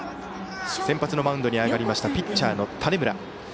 先発のマウンドに上がったピッチャーの種村。